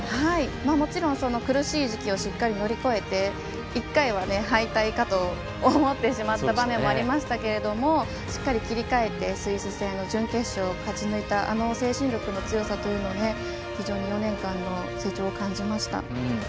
もちろん、苦しい時期をしっかり乗り越えて１回は敗退かと思ってしまった場面もありましたがしっかり切り替えてスイス戦の準決勝を勝ち抜いた、あの精神力の強さは非常に４年間の成長を感じました。